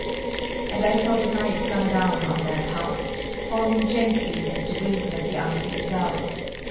And I saw the night come down on that house, falling gently as the wings of the unseen dove.